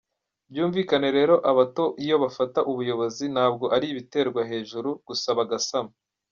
Byumvikane rero abato iyo bafata ubuyobozi ntabwo ari ibiterwa hejuru gusa bagasama.